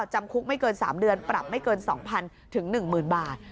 จำคุกไม่เกิน๓เดือนปรับไม่เกิน๒๐๐๐๑๐๐บาท